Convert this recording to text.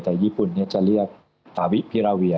แต่ญี่ปุ่นจะเรียกตาวิพิราเวีย